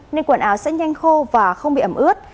nên quần áo sẽ nhanh khô và không bị ẩm ướt